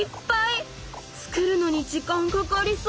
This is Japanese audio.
つくるのに時間かかりそう！